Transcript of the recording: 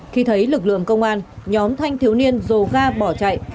khi thấy lực lượng công an nhóm thanh thiếu niên rồ ga bỏ chạy